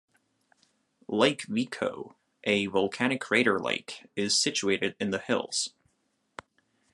Lake Vico, a volcanic crater lake, is situated in the hills.